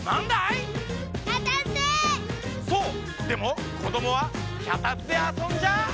そうでもこどもはきゃたつであそんじゃ。